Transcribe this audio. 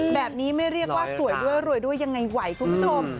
แบบนี้ไม่เรียกว่าสวยด้วยรวยด้วยยังไงไหวคุณผู้ชม